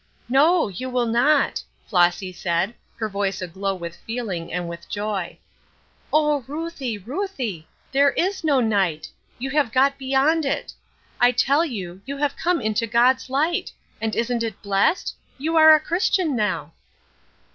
"No, you will not," Flossy said, her voice aglow with feeling and with joy. "Oh, Ruthie, Ruthie! There is no night! You have got beyond it. I tell you, you have come into God's light! And isn't it blessed? You are a Christian now."